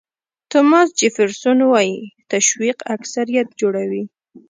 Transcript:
توماس جیفرسون وایي تشویق اکثریت جوړوي.